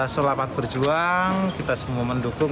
selamat berjuang kita semua mendukung